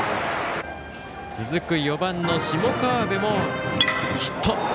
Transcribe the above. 続く４番の下川邊もヒット。